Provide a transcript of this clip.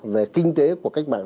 về kinh tế của cách mạng